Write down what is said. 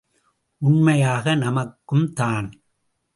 உண்மையாக நமக்கும் தான்!